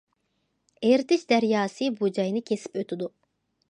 ئېرتىش دەرياسى بۇ جاينى كېسىپ ئۆتىدۇ.